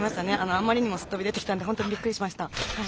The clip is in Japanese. あまりにもすっ飛び出てきたんでホントにびっくりしましたはい。